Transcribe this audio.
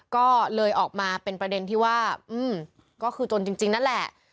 ก็เลยออกมาเป็นประเด็นที่ว่าก็คือจนจริงนั่นแหละ